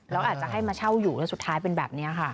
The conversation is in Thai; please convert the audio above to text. แล้วอาจจะให้มาเช่าอยู่แล้วสุดท้ายเป็นแบบนี้ค่ะ